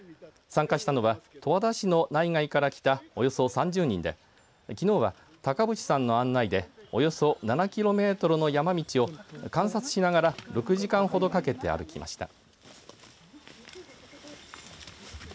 参加したのは十和田市の内外から来たおよそ３０人できのうは高渕さんの案内でおよそ７キロメートルの山道を観察しながら６時間ほどかけて歩きました。